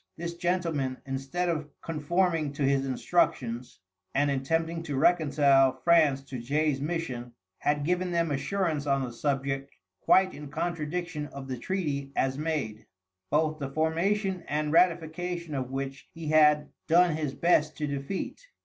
This gentleman, instead of conforming to his instructions, and attempting to reconcile France to Jay's mission, had given them assurance on the subject quite in contradiction of the treaty as made, both the formation and ratification of which he had done his best to defeat.